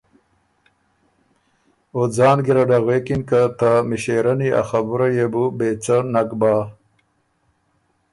او ځان ګیرډه غوېکِن که ته مِݭېرنی ا خبُره يې بو بې څۀ نک بۀ۔